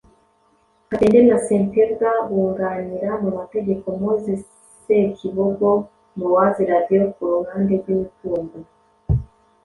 Katende na Ssempebwa bunganira mu mategeko Moses Sekibogo[Mowzey Radio] ku ruhande rw’imitungo